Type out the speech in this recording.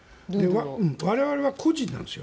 我々は個人なんです。